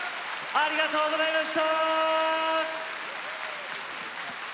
ありがとうございます。